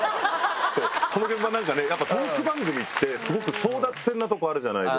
その辺もなんかねやっぱトーク番組ってスゴく争奪戦なとこあるじゃないですか。